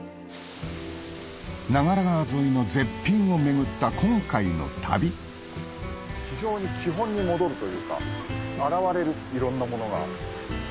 長良川沿いの絶品を巡った今回の旅非常に基本に戻るというか洗われるいろんなものが。